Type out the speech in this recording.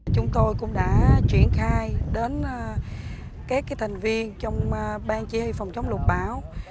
chúng tôi cũng đã chuyển khai đến các thành viên trong bang chế hệ phòng chống lục bão